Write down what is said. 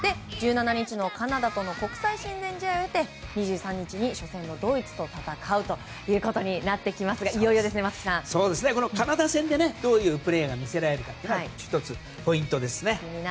１７日のカナダとの国際親善試合を経て２３日に初戦のドイツと戦うということですがカナダ戦でどういうプレーが見せられるかが１つポイントです。